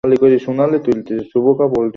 এটাকে অনেকটা গরুর মাংসের সঙ্গে তুলনা করা যায়।